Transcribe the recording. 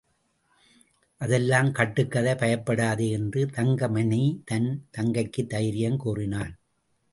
அதெல்லாம் கட்டுக்கதை பயப்படாதே என்று தங்கமணி தன் தங்கைக்குத் தைரியம் கூறினான்.